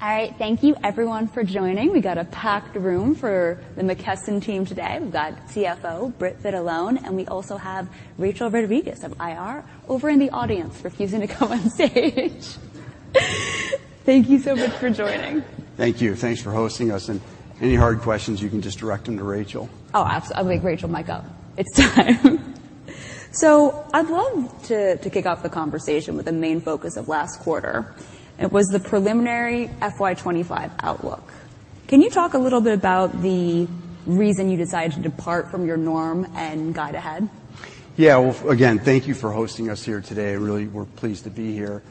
All right. Thank you everyone for joining. We got a packed room for the McKesson team today. We've got CFO, Britt Vitalone, and we also have Rachel Rodriguez of IR over in the audience, refusing to come on stage. Thank you so much for joining. Thank you. Thanks for hosting us, and any hard questions, you can just direct them to Rachel. I'll make Rachel mic up. It's time. So I'd love to kick off the conversation with the main focus of last quarter, it was the preliminary FY 2025 outlook. Can you talk a little bit about the reason you decided to depart from your norm and guide ahead? Yeah. Well, again, thank you for hosting us here today. Really, we're pleased to be here.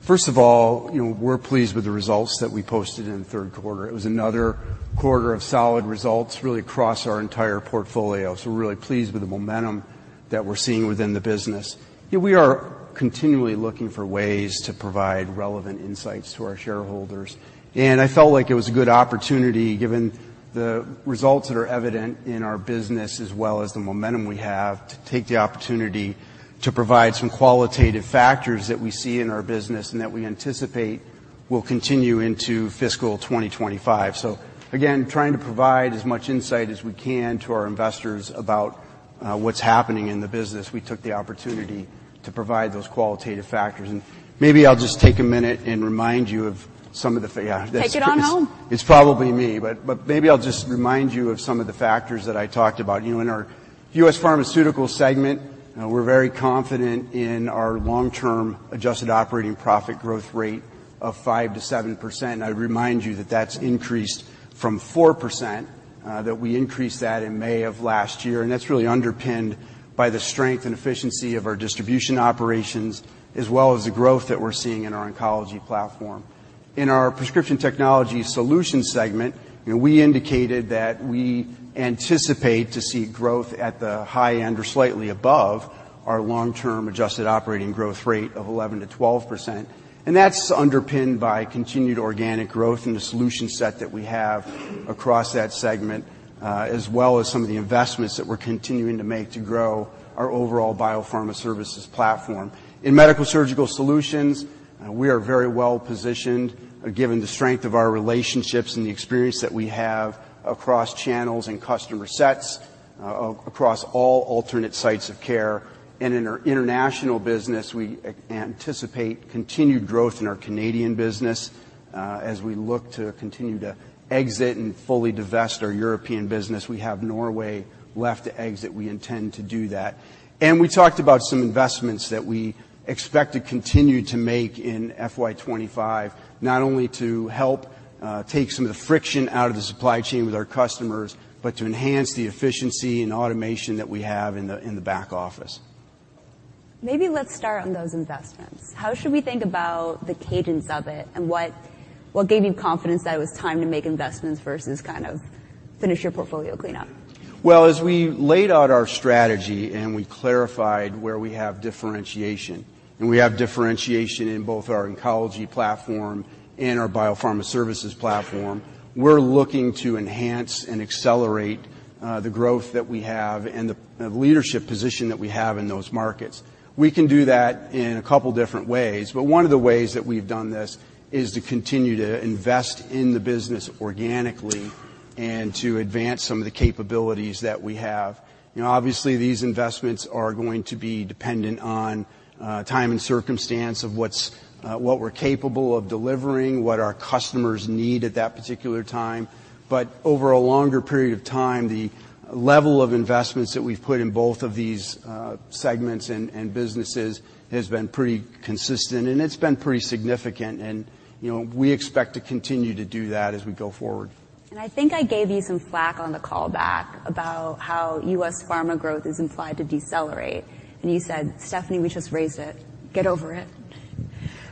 First of all, you know, we're pleased with the results that we posted in the third quarter. It was another quarter of solid results, really across our entire portfolio. So we're really pleased with the momentum that we're seeing within the business. Yet we are continually looking for ways to provide relevant insights to our shareholders, and I felt like it was a good opportunity, given the results that are evident in our business as well as the momentum we have, to take the opportunity to provide some qualitative factors that we see in our business and that we anticipate will continue into fiscal 2025. So again, trying to provide as much insight as we can to our investors about what's happening in the business, we took the opportunity to provide those qualitative factors. And maybe I'll just take a minute and remind you of some of the factors. Yeah, this- Take it on home. It's probably me, but, but maybe I'll just remind you of some of the factors that I talked about. You know, in our U.S. Pharmaceutical segment, we're very confident in our long-term adjusted operating profit growth rate of 5%-7%. I'd remind you that that's increased from 4%, that we increased that in May of last year, and that's really underpinned by the strength and efficiency of our distribution operations, as well as the growth that we're seeing in our oncology platform. In our Prescription Technology Solutions segment, we indicated that we anticipate to see growth at the high end or slightly above our long-term adjusted operating growth rate of 11%-12%, and that's underpinned by continued organic growth in the solution set that we have across that segment, as well as some of the investments that we're continuing to make to grow our overall biopharma services platform. In MedicalSurgical Solutions, we are very well positioned, given the strength of our relationships and the experience that we have across channels and customer sets, across all alternate sites of care. And in our international business, we anticipate continued growth in our Canadian business. As we look to continue to exit and fully divest our European business, we have Norway left to exit. We intend to do that. We talked about some investments that we expect to continue to make in FY 2025, not only to help take some of the friction out of the supply chain with our customers, but to enhance the efficiency and automation that we have in the back office. Maybe let's start on those investments. How should we think about the cadence of it, and what, what gave you confidence that it was time to make investments versus kind of finish your portfolio cleanup? Well, as we laid out our strategy and we clarified where we have differentiation, and we have differentiation in both our oncology platform and our biopharma services platform, we're looking to enhance and accelerate the growth that we have and the leadership position that we have in those markets. We can do that in a couple different ways, but one of the ways that we've done this is to continue to invest in the business organically and to advance some of the capabilities that we have. You know, obviously, these investments are going to be dependent on time and circumstance of what we're capable of delivering, what our customers need at that particular time. Over a longer period of time, the level of investments that we've put in both of these segments and businesses has been pretty consistent, and it's been pretty significant. And, you know, we expect to continue to do that as we go forward. I think I gave you some flak on the call back about how U.S. pharma growth is implied to decelerate, and you said, "Stephanie, we just raised it. Get over it.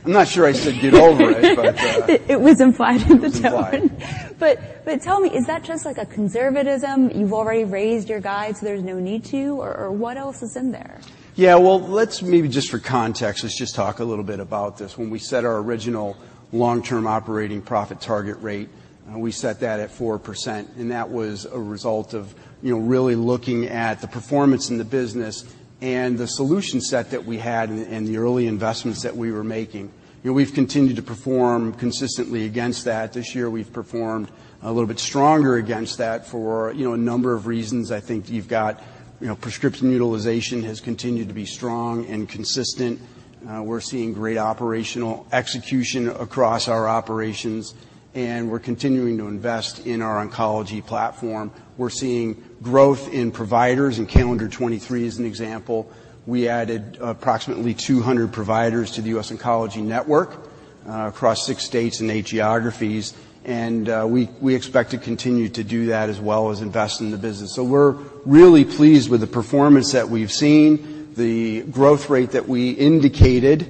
I'm not sure I said get over it, but... It was implied in the tone. It was implied. But tell me, is that just like a conservatism? You've already raised your guide, so there's no need to, or what else is in there? Yeah, well, let's maybe just for context, let's just talk a little bit about this. When we set our original long-term operating profit target rate, we set that at 4%, and that was a result of, you know, really looking at the performance in the business and the solution set that we had and the early investments that we were making. You know, we've continued to perform consistently against that. This year, we've performed a little bit stronger against that for, you know, a number of reasons. I think you've got... You know, prescription utilization has continued to be strong and consistent. We're seeing great operational execution across our operations, and we're continuing to invest in our oncology platform. We're seeing growth in providers. In calendar 2023, as an example, we added approximately 200 providers to the U.S. Oncology Network across six states and eight geographies, and we expect to continue to do that, as well as invest in the business. So we're really pleased with the performance that we've seen. The growth rate that we indicated,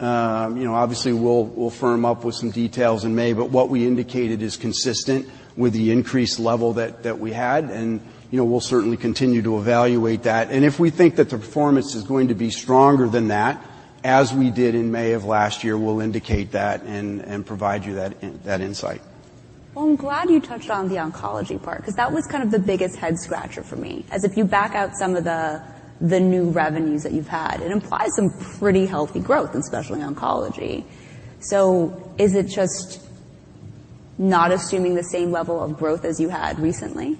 you know, obviously, we'll firm up with some details in May, but what we indicated is consistent with the increased level that we had, and, you know, we'll certainly continue to evaluate that. And if we think that the performance is going to be stronger than that, as we did in May of last year, we'll indicate that and provide you that insight.... Well, I'm glad you touched on the oncology part, 'cause that was kind of the biggest head scratcher for me, as if you back out some of the, the new revenues that you've had, it implies some pretty healthy growth, especially in oncology. So is it just not assuming the same level of growth as you had recently?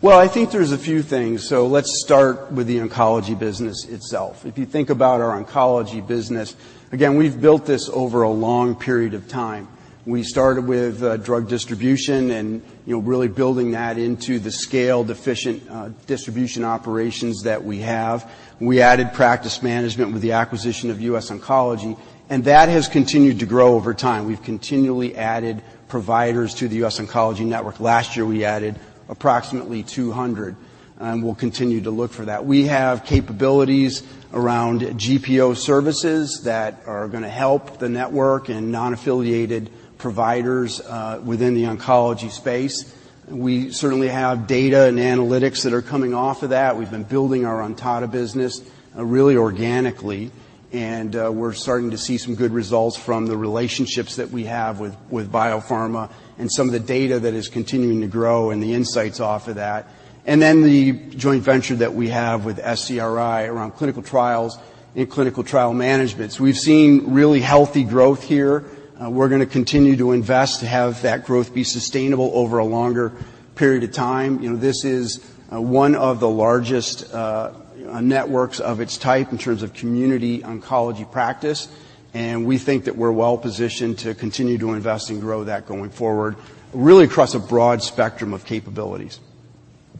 Well, I think there's a few things. So let's start with the oncology business itself. If you think about our oncology business, again, we've built this over a long period of time. We started with drug distribution and, you know, really building that into the scaled, efficient distribution operations that we have. We added practice management with the acquisition of U.S. Oncology, and that has continued to grow over time. We've continually added providers to the U.S. Oncology network. Last year, we added approximately 200, and we'll continue to look for that. We have capabilities around GPO services that are gonna help the network and non-affiliated providers within the oncology space. We certainly have data and analytics that are coming off of that. We've been building our Ontada business, really organically, and we're starting to see some good results from the relationships that we have with, with biopharma and some of the data that is continuing to grow and the insights off of that, and then the joint venture that we have with SCRI around clinical trials and clinical trial management. So we've seen really healthy growth here. We're gonna continue to invest to have that growth be sustainable over a longer period of time. You know, this is one of the largest networks of its type in terms of community oncology practice, and we think that we're well positioned to continue to invest and grow that going forward, really across a broad spectrum of capabilities.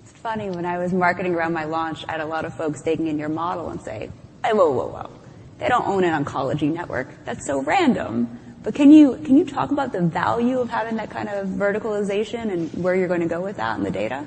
It's funny, when I was marketing around my launch, I had a lot of folks digging in your model and saying, "Hey, whoa, whoa, whoa! They don't own an oncology network. That's so random." But can you, can you talk about the value of having that kind of verticalization and where you're gonna go with that and the data?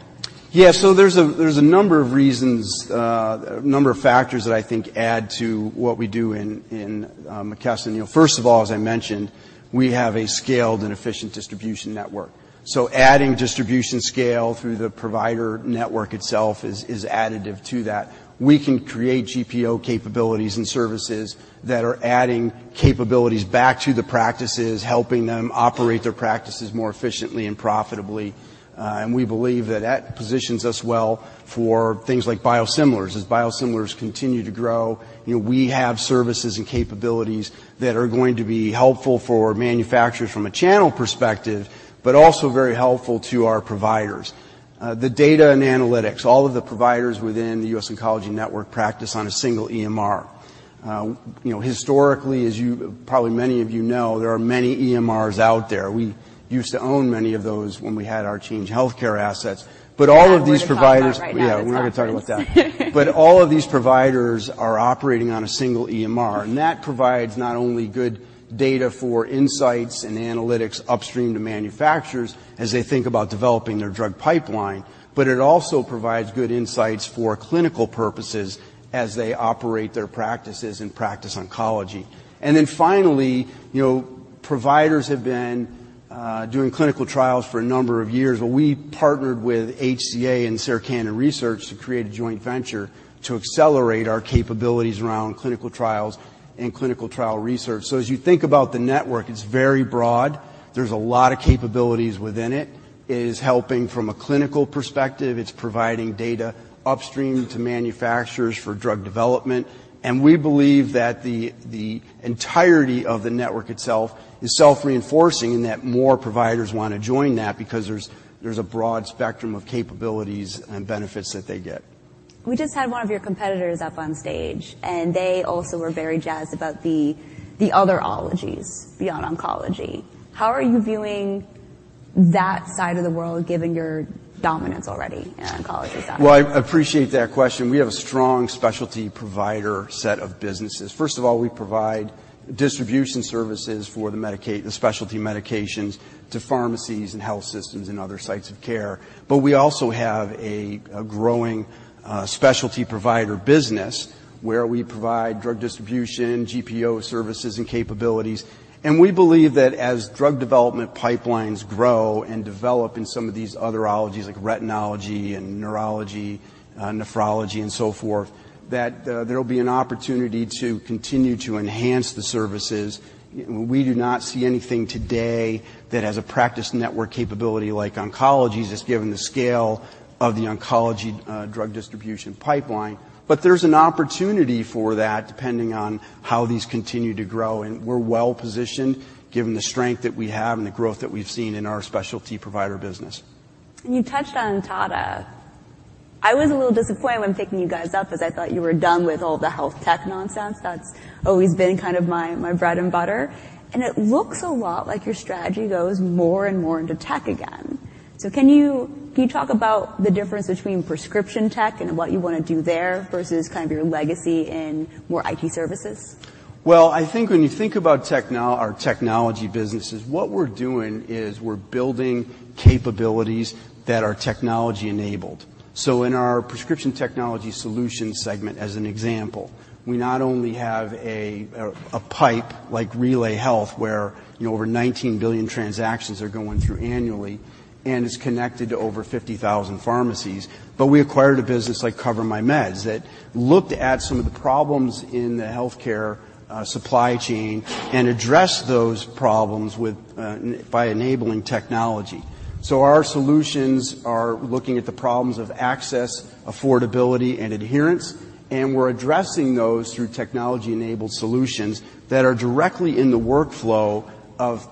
Yeah. So there's a number of reasons, a number of factors that I think add to what we do in McKesson. You know, first of all, as I mentioned, we have a scaled and efficient distribution network. So adding distribution scale through the provider network itself is additive to that. We can create GPO capabilities and services that are adding capabilities back to the practices, helping them operate their practices more efficiently and profitably, and we believe that that positions us well for things like biosimilars. As biosimilars continue to grow, you know, we have services and capabilities that are going to be helpful for manufacturers from a channel perspective, but also very helpful to our providers. The data and analytics, all of the providers within the U.S. Oncology Network practice on a single EMR. You know, historically, as you, probably many of you know, there are many EMRs out there. We used to own many of those when we had our Change Healthcare assets. But all of these providers- We're not gonna talk about right now. Yeah, we're not gonna talk about that. But all of these providers are operating on a single EMR, and that provides not only good data for insights and analytics upstream to manufacturers as they think about developing their drug pipeline, but it also provides good insights for clinical purposes as they operate their practices and practice oncology. And then finally, you know, providers have been doing clinical trials for a number of years, but we partnered with HCA and Sarah Cannon Research to create a joint venture to accelerate our capabilities around clinical trials and clinical trial research. So as you think about the network, it's very broad. There's a lot of capabilities within it. It is helping from a clinical perspective, it's providing data upstream to manufacturers for drug development, and we believe that the entirety of the network itself is self-reinforcing and that more providers wanna join that because there's a broad spectrum of capabilities and benefits that they get. We just had one of your competitors up on stage, and they also were very jazzed about the other oncologies beyond oncology. How are you viewing that side of the world, given your dominance already in oncology side? Well, I appreciate that question. We have a strong specialty provider set of businesses. First of all, we provide distribution services for the specialty medications to pharmacies and health systems and other sites of care. But we also have a growing specialty provider business, where we provide drug distribution, GPO services, and capabilities. And we believe that as drug development pipelines grow and develop in some of these other oncologies, like retinology and neurology, nephrology, and so forth, that there will be an opportunity to continue to enhance the services. We do not see anything today that has a practice network capability like oncology, just given the scale of the oncology drug distribution pipeline. There's an opportunity for that, depending on how these continue to grow, and we're well positioned, given the strength that we have and the growth that we've seen in our specialty provider business. You touched on Ontada. I was a little disappointed when picking you guys up, as I thought you were done with all the health tech nonsense. That's always been kind of my, my bread and butter, and it looks a lot like your strategy goes more and more into tech again. So can you- can you talk about the difference between prescription tech and what you wanna do there versus kind of your legacy in more IT services? Well, I think when you think about our technology businesses, what we're doing is we're building capabilities that are technology enabled. So in our Prescription Technology Solutions segment, as an example, we not only have a, a pipe like RelayHealth, where, you know, over 19 billion transactions are going through annually and is connected to over 50,000 pharmacies. But we acquired a business like CoverMyMeds, that looked at some of the problems in the healthcare supply chain and addressed those problems with by enabling technology. So our solutions are looking at the problems of access, affordability, and adherence, and we're addressing those through technology-enabled solutions that are directly in the workflow of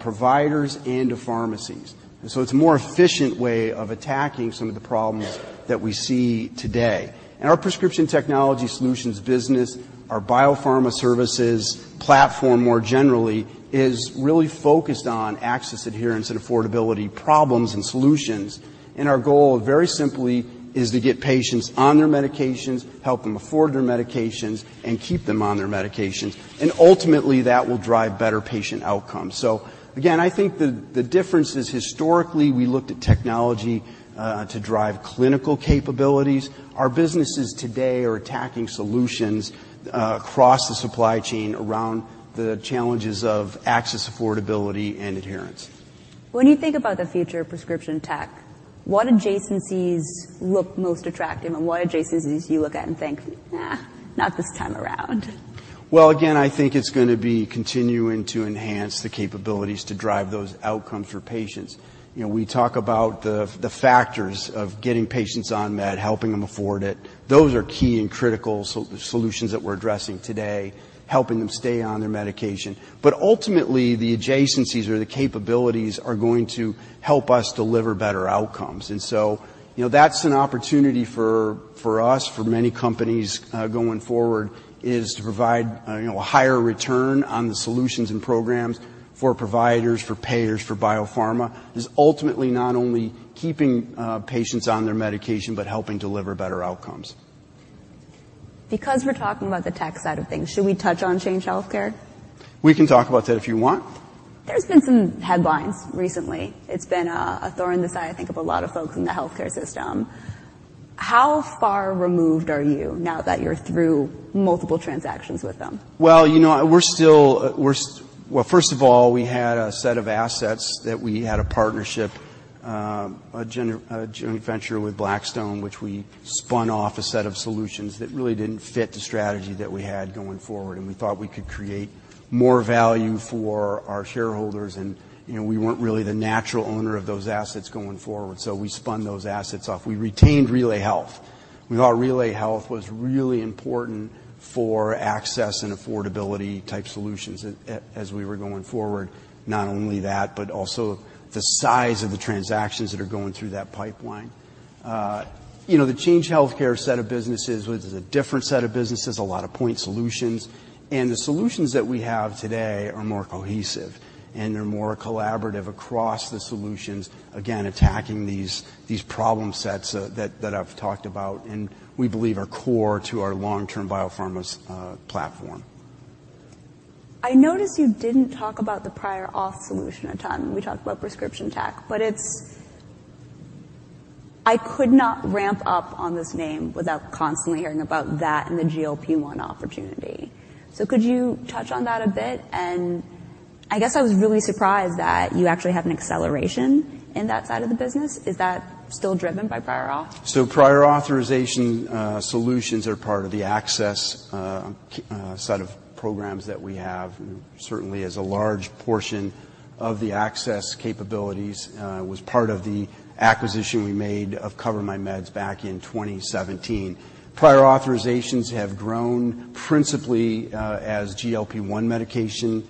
providers and to pharmacies. And so it's a more efficient way of attacking some of the problems that we see today. Our Prescription Technology Solutions business, our biopharma services platform, more generally, is really focused on access, adherence, and affordability problems and solutions, and our goal, very simply, is to get patients on their medications, help them afford their medications, and keep them on their medications. Ultimately, that will drive better patient outcomes. Again, I think the difference is, historically, we looked at technology to drive clinical capabilities. Our businesses today are attacking solutions across the supply chain around the challenges of access, affordability, and adherence. When you think about the future of prescription tech, what adjacencies look most attractive, and what adjacencies do you look at and think, "Nah, not this time around? Well, again, I think it's gonna be continuing to enhance the capabilities to drive those outcomes for patients. You know, we talk about the factors of getting patients on med, helping them afford it. Those are key and critical solutions that we're addressing today, helping them stay on their medication. But ultimately, the adjacencies or the capabilities are going to help us deliver better outcomes. And so, you know, that's an opportunity for us, for many companies going forward, to provide you know, a higher return on the solutions and programs for providers, for payers, for biopharma, is ultimately not only keeping patients on their medication, but helping deliver better outcomes. Because we're talking about the tech side of things, should we touch on Change Healthcare? We can talk about that if you want. There's been some headlines recently. It's been a thorn in the side, I think, of a lot of folks in the healthcare system. How far removed are you now that you're through multiple transactions with them? Well, you know, we're still. Well, first of all, we had a set of assets that we had a partnership, a joint venture with Blackstone, which we spun off a set of solutions that really didn't fit the strategy that we had going forward, and we thought we could create more value for our shareholders. You know, we weren't really the natural owner of those assets going forward, so we spun those assets off. We retained RelayHealth. We thought RelayHealth was really important for access and affordability type solutions as we were going forward. Not only that, but also the size of the transactions that are going through that pipeline. You know, the Change Healthcare set of businesses was a different set of businesses, a lot of point solutions. The solutions that we have today are more cohesive and are more collaborative across the solutions, again, attacking these problem sets that I've talked about, and we believe are core to our long-term biopharma's platform. I noticed you didn't talk about the prior auth solution a ton. We talked about prescription tech, but it's-- I could not ramp up on this name without constantly hearing about that and the GLP-1 opportunity. So could you touch on that a bit? And I guess I was really surprised that you actually have an acceleration in that side of the business. Is that still driven by prior auth? So prior authorization solutions are part of the access set of programs that we have. Certainly, as a large portion of the access capabilities was part of the acquisition we made of CoverMyMeds back in 2017. Prior authorizations have grown principally as GLP-1 medication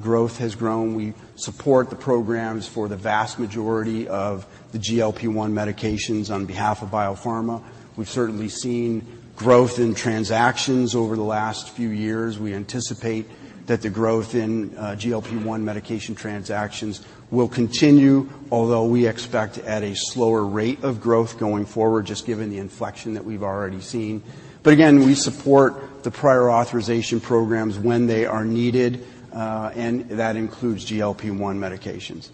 growth has grown. We support the programs for the vast majority of the GLP-1 medications on behalf of biopharma. We've certainly seen growth in transactions over the last few years. We anticipate that the growth in GLP-1 medication transactions will continue, although we expect at a slower rate of growth going forward, just given the inflection that we've already seen. But again, we support the prior authorization programs when they are needed and that includes GLP-1 medications.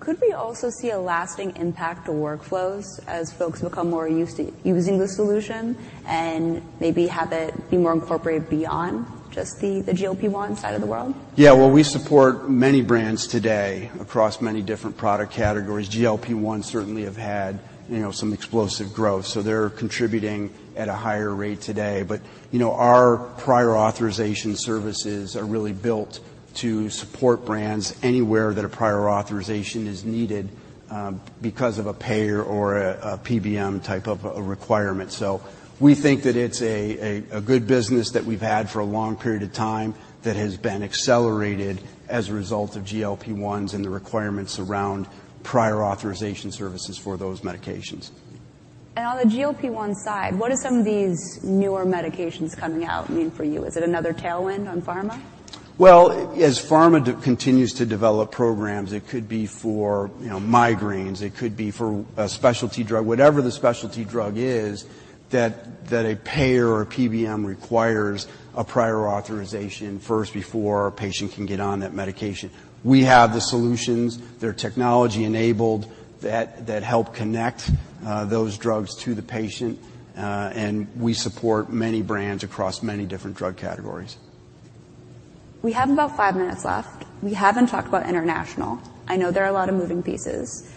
Could we also see a lasting impact on workflows as folks become more used to using the solution and maybe have it be more incorporated beyond just the GLP-1 side of the world? Yeah. Well, we support many brands today across many different product categories. GLP-1 certainly have had, you know, some explosive growth, so they're contributing at a higher rate today. But, you know, our prior authorization services are really built to support brands anywhere that a prior authorization is needed, because of a payer or a PBM type of a requirement. So we think that it's a good business that we've had for a long period of time, that has been accelerated as a result of GLP-1s and the requirements around prior authorization services for those medications. On the GLP-1 side, what do some of these newer medications coming out mean for you? Is it another tailwind on pharma? Well, as pharma continues to develop programs, it could be for, you know, migraines, it could be for a specialty drug, whatever the specialty drug is, that a payer or PBM requires a prior authorization first before a patient can get on that medication. We have the solutions. They're technology-enabled, that help connect those drugs to the patient, and we support many brands across many different drug categories.... We have about five minutes left. We haven't talked about international. I know there are a lot of moving pieces.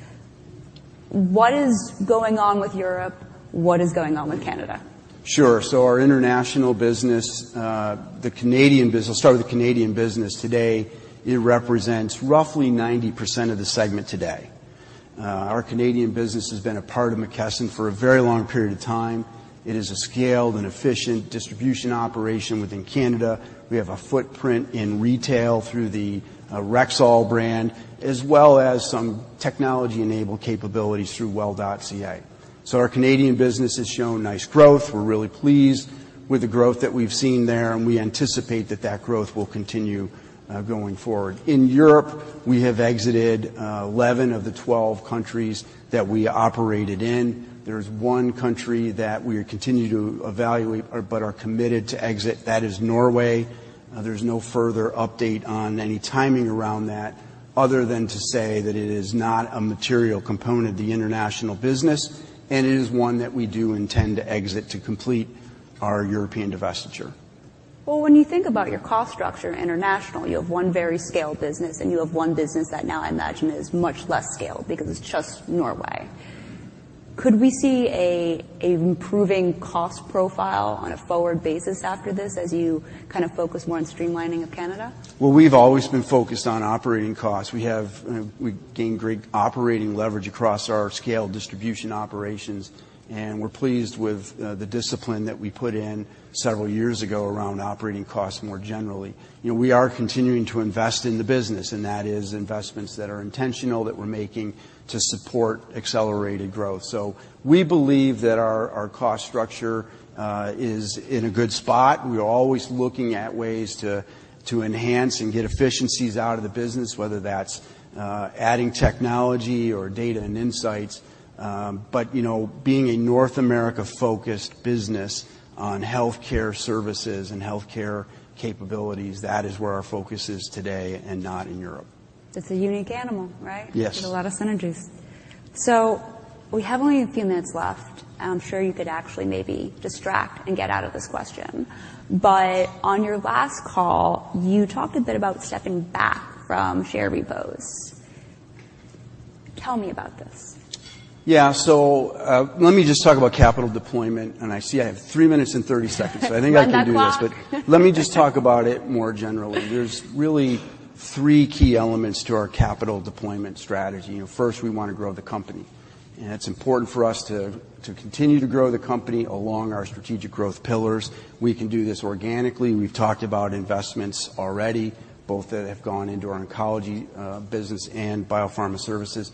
What is going on with Europe? What is going on with Canada? Sure. So our international business, the Canadian business, I'll start with the Canadian business. Today, it represents roughly 90% of the segment today. Our Canadian business has been a part of McKesson for a very long period of time. It is a scaled and efficient distribution operation within Canada. We have a footprint in retail through the Rexall brand, as well as some technology-enabled capabilities through Well.ca. So our Canadian business has shown nice growth. We're really pleased with the growth that we've seen there, and we anticipate that that growth will continue, going forward. In Europe, we have exited 11 of the 12 countries that we operated in. There's one country that we continue to evaluate, but are committed to exit. That is Norway. There's no further update on any timing around that, other than to say that it is not a material component of the international business, and it is one that we do intend to exit to complete our European divestiture. Well, when you think about your cost structure internationally, you have one very scaled business, and you have one business that now I imagine is much less scaled because it's just Norway. Could we see a improving cost profile on a forward basis after this, as you kind of focus more on streamlining of Canada? Well, we've always been focused on operating costs. We have, we've gained great operating leverage across our scaled distribution operations, and we're pleased with, the discipline that we put in several years ago around operating costs more generally. You know, we are continuing to invest in the business, and that is investments that are intentional, that we're making to support accelerated growth. So we believe that our, our cost structure, is in a good spot. We are always looking at ways to, to enhance and get efficiencies out of the business, whether that's, adding technology or data and insights. But, you know, being a North America-focused business on healthcare services and healthcare capabilities, that is where our focus is today, and not in Europe. It's a unique animal, right? Yes. With a lot of synergies. So we have only a few minutes left. I'm sure you could actually maybe distract and get out of this question, but on your last call, you talked a bit about stepping back from share repos. Tell me about this. Yeah. So, let me just talk about capital deployment, and I see I have three minutes and 30 seconds, so I think I can do this. Run that clock! But let me just talk about it more generally. There's really three key elements to our capital deployment strategy. First, we want to grow the company, and it's important for us to continue to grow the company along our strategic growth pillars. We can do this organically. We've talked about investments already, both that have gone into our oncology business and biopharma services,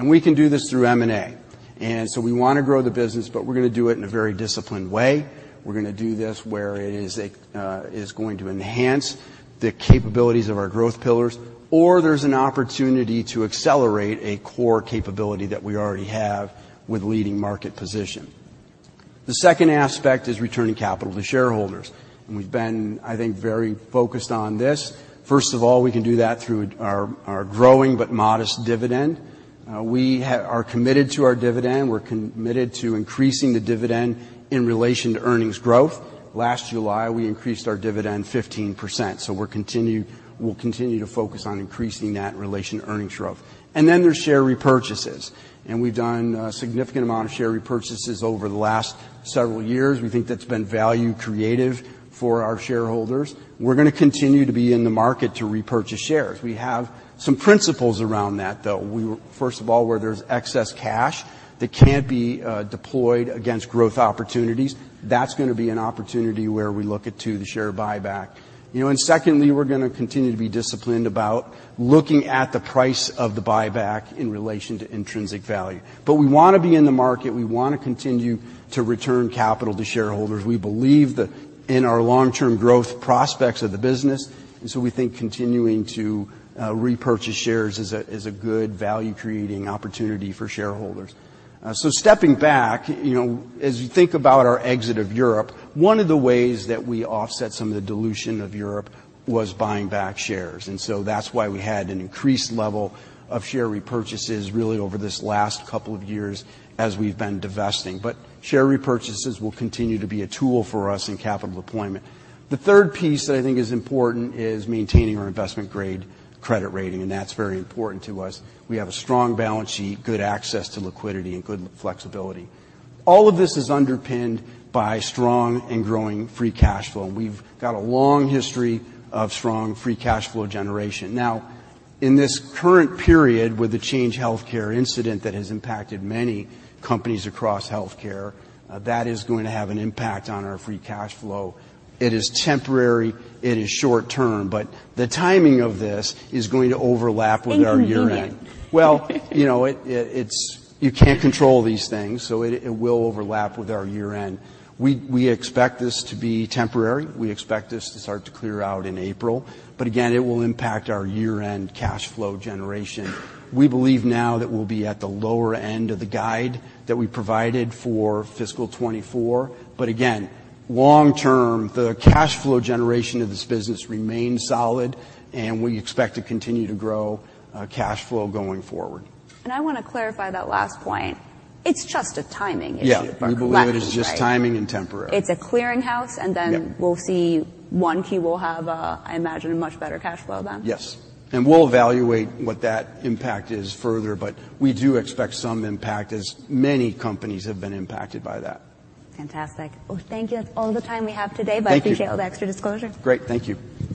and we can do this through M&A. And so we want to grow the business, but we're gonna do it in a very disciplined way. We're gonna do this where it is going to enhance the capabilities of our growth pillars, or there's an opportunity to accelerate a core capability that we already have with leading market position. The second aspect is returning capital to shareholders, and we've been, I think, very focused on this. First of all, we can do that through our growing but modest dividend. We are committed to our dividend. We're committed to increasing the dividend in relation to earnings growth. Last July, we increased our dividend 15%, so we'll continue to focus on increasing that in relation to earnings growth. And then there's share repurchases, and we've done a significant amount of share repurchases over the last several years. We think that's been value creative for our shareholders. We're gonna continue to be in the market to repurchase shares. We have some principles around that, though. First of all, where there's excess cash that can't be deployed against growth opportunities, that's gonna be an opportunity where we look at to the share buyback. You know, and secondly, we're gonna continue to be disciplined about looking at the price of the buyback in relation to intrinsic value. But we want to be in the market. We want to continue to return capital to shareholders. We believe that in our long-term growth prospects of the business, and so we think continuing to repurchase shares is a, is a good value-creating opportunity for shareholders. So stepping back, you know, as you think about our exit of Europe, one of the ways that we offset some of the dilution of Europe was buying back shares, and so that's why we had an increased level of share repurchases really over this last couple of years as we've been divesting. But share repurchases will continue to be a tool for us in capital deployment. The third piece that I think is important is maintaining our investment-grade credit rating, and that's very important to us. We have a strong balance sheet, good access to liquidity, and good flexibility. All of this is underpinned by strong and growing free cash flow. We've got a long history of strong free cash flow generation. Now, in this current period, with the Change Healthcare incident that has impacted many companies across healthcare, that is going to have an impact on our free cash flow. It is temporary, it is short term, but the timing of this is going to overlap with our year-end. Inconvenient. Well, you know, it's-- You can't control these things, so it will overlap with our year-end. We expect this to be temporary. We expect this to start to clear out in April, but again, it will impact our year-end cash flow generation. We believe now that we'll be at the lower end of the guide that we provided for fiscal 2024, but again, long term, the cash flow generation of this business remains solid, and we expect to continue to grow cash flow going forward. I want to clarify that last point. It's just a timing issue- Yeah. for correction, right? We believe it is just timing and temporary. It's a clearinghouse, and then- Yeah. We'll see, 1Q, we'll have, I imagine, a much better cash flow then? Yes. We'll evaluate what that impact is further, but we do expect some impact, as many companies have been impacted by that. Fantastic. Well, thank you. That's all the time we have today. Thank you. Thank you for all the extra disclosure. Great. Thank you.